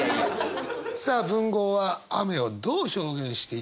さあ文豪は雨をどう表現していたのでしょうか？